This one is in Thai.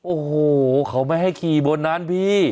โอ้โหเขาไม่ให้ขี่บนนั้นพี่